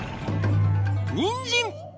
にんじん！